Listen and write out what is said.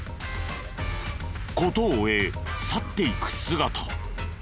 事を終え去っていく姿。